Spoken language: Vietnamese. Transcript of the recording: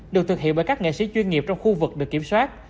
được thực hiện bởi các nghệ sĩ chuyên nghiệp trong khu vực được kiểm soát